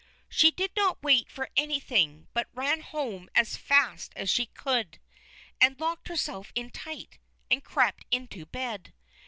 She did not wait for anything, but ran home as fast as she could, and locked herself in tight, and crept into bed.